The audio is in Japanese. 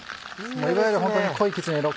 いわゆるホントに濃いきつね色。